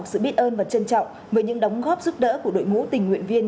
sự biết ơn và trân trọng với những đóng góp giúp đỡ của đội ngũ tình nguyện viên